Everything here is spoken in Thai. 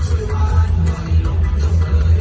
กลับไปกลับไป